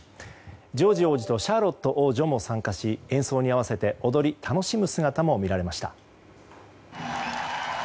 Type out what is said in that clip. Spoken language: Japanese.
ジョージ王子とシャーロット王女も参加し演奏に合わせて踊り楽しむ姿も見られました。